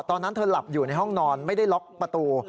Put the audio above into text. ตอนนั้นเธอหลับอยู่ในห้องนอนไม่ได้ล็อกประตู